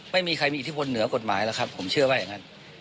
ไม่มีใครมีอิทธิพลเหนือกฎหมายหรอกครับผมเชื่อว่าอย่างนั้น